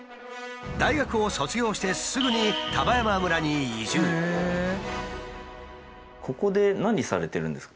大学を卒業してすぐにここで何されてるんですか？